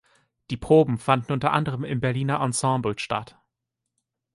Die Proben fanden unter anderem im Berliner Ensemble statt.